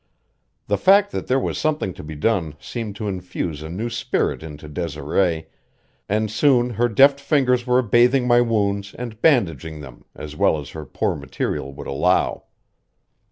The fact that there was something to be done seemed to infuse a new spirit into Desiree, and soon her deft fingers were bathing my wounds and bandaging them as well as her poor material would allow.